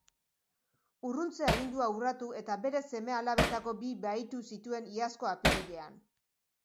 Urruntze agindua urratu eta bere seme-alabetako bi bahitu zituen iazko apirilean.